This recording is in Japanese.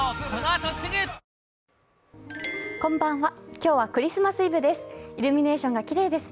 今日はクリスマスイブです。